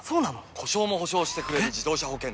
故障も補償してくれる自動車保険といえば？